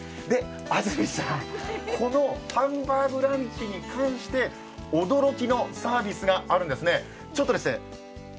安住さん、このハンバーグランチに関して驚きのサービスがあるんですね。